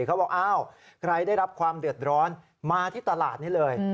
เขาบอกอ้าวใครได้รับความเดือดร้อนมาที่ตลาดนี้เลย